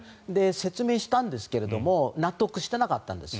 説明したんですが納得していなかったんです